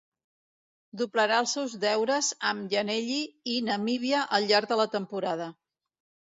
Doblarà els seus deures amb Llanelli i Namíbia al llarg de la temporada.